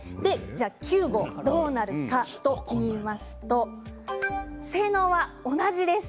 ９号がどうなるかといいますと性能は同じです。